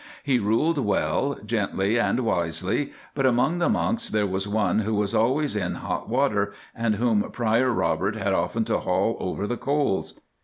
He ruled well, gently, and wisely, but among the monks there was one who was always in hot water, and whom Prior Robert had often to haul over the coals.